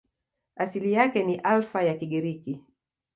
Asili yake ni Alfa ya Kigiriki.